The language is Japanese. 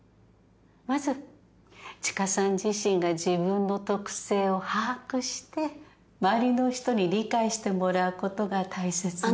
まず知花さん自身が自分の特性を把握して周りの人に理解してもらうことが大切ね。